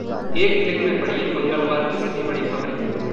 एक क्लिक में पढ़िए मंगलवार की सभी बड़ी खबरें